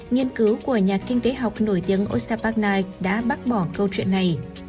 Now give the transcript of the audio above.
nghiên cứu của nhà kinh tế học nổi tiếng ostap bagnaik đã bác bỏ câu chuyện này